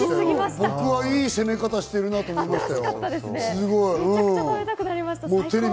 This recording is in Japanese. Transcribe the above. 僕はいい攻め方してるなと思いましたよ。